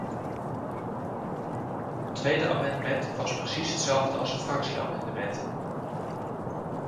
Het tweede amendement was precies hetzelfde als een fractieamendement.